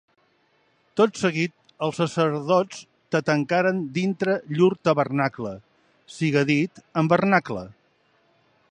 Tot seguit els sacerdots te tancaren dintre llur tabernacle, siga dit en vernacle.